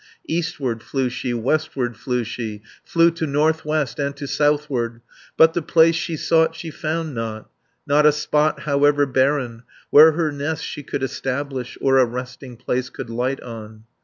Eastward flew she, westward flew she. Flew to north west and to southward, But the place she sought she found not, Not a spot, however barren, Where her nest she could establish, Or a resting place could light on.